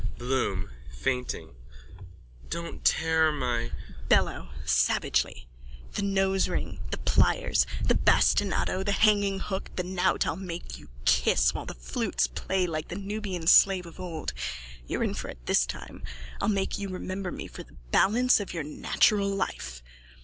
BLOOM: (Fainting.) Don't tear my... BELLO: (Savagely.) The nosering, the pliers, the bastinado, the hanging hook, the knout I'll make you kiss while the flutes play like the Nubian slave of old. You're in for it this time! I'll make you remember me for the balance of your natural life.